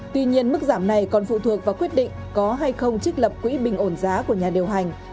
tuy nhiên mức giảm này còn phụ thuộc vào quyết định có hay không trích lập quỹ bình ổn giá của nhà điều hành